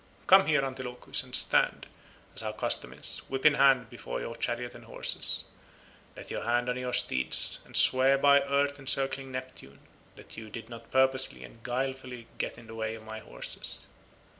Come here, Antilochus, and stand, as our custom is, whip in hand before your chariot and horses; lay your hand on your steeds, and swear by earth encircling Neptune that you did not purposely and guilefully get in the way of my horses."